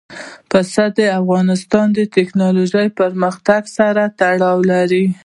پسه د افغانستان د تکنالوژۍ پرمختګ سره تړاو لري.